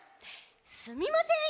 すみません。